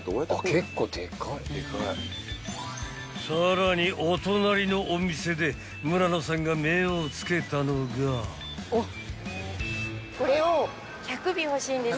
［さらにお隣のお店で村野さんが目を付けたのが］これを。